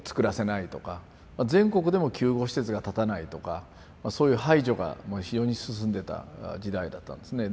全国でも救護施設が建たないとかそういう排除が非常に進んでた時代だったんですね。